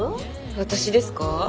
私ですか？